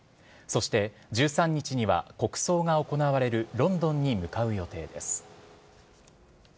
そして、１３日には国葬が行われるロンドンに向かう予定です。